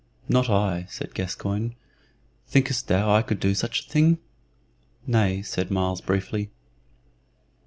"Not I," said Gascoyne. "Thinkest thou I could do such a thing?" "Nay," said Myles, briefly.